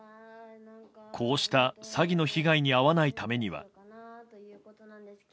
こうした詐欺の被害に遭わないためには？